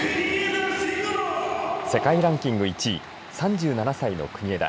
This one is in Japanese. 世界ランキング１位３７歳の国枝。